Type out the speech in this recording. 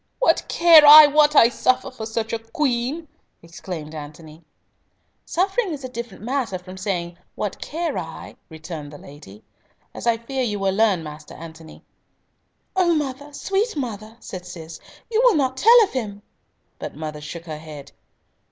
"What care I what I suffer for such a Queen?" exclaimed Antony. "Suffering is a different matter from saying 'What care I,'" returned the lady, "as I fear you will learn, Master Antony." "O mother! sweet mother," said Cis, "you will not tell of him!"—but mother shook her head.